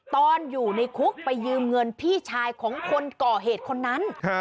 ตอนอยู่ในคุกไปยืมเงินพี่ชายของคนก่อเหตุคนนั้น